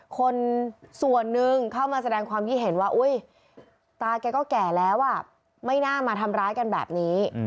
คนส่วนหนึ่งเข้ามาแสดงความคิดเห็นว่าอุ๊ยตาแกก็แก่แล้วไม่น่ามาทำร้ายกันแบบนี้